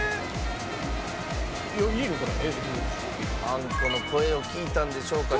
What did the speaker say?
あんこの声を聞いたんでしょうか。